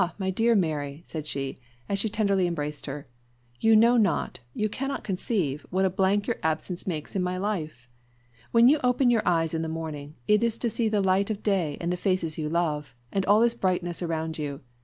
my dear Mary," said she, as she tenderly embraced her, "you know not, you cannot conceive, what a blank your absence makes in my life! When you open your eyes in the morning, it is to see the light of day and the faces you love, and all is brightness around you.